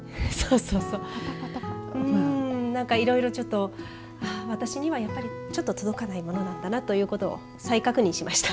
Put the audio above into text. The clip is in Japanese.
なんか、いろいろちょっと私には、やっぱりちょっと届かないものなのかなということを再確認しました。